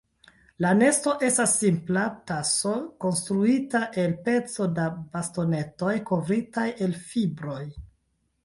La nesto estas simpla taso konstruita el pecoj da bastonetoj kovritaj el fibroj.